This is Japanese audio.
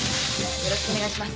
よろしくお願いします。